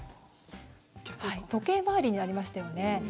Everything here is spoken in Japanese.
時計回りになりましたよね。